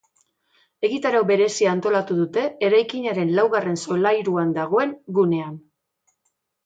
Egitarau berezia antolatu dute eraikinaren laugarren solairuan dagoen gunean.